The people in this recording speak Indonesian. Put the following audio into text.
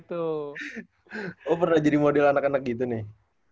gue pernah jadi model anak anak gitu nih